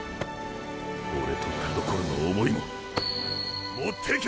オレと田所の思いも持っていけ！